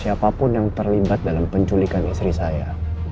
siapapun yang terlibat dalam penculikan istri saya